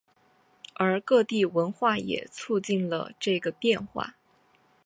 而各地文化也促进了这个变化。